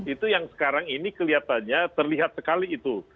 itu yang sekarang ini kelihatannya terlihat sekali itu